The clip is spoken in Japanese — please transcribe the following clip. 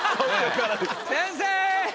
先生！